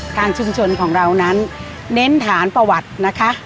ทางชุมชนของเรานั้นเน้นฐานประวัตินะคะ